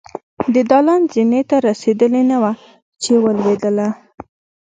د دالان زينې ته رسېدلې نه وه چې ولوېدله.